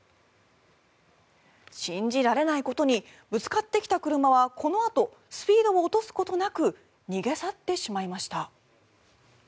信じられないことにぶつかってきた車はこのあとスピードを落とすことなく逃げ去ってしまいました。